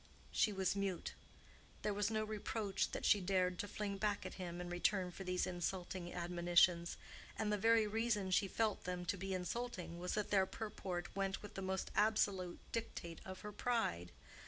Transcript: She was mute. There was no reproach that she dared to fling back at him in return for these insulting admonitions, and the very reason she felt them to be insulting was that their purport went with the most absolute dictate of her pride.